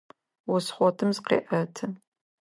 Ос хъотым зыкъеӏэты.